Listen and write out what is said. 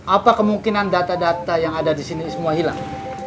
apa kemungkinan data data yang ada di sini semua hilang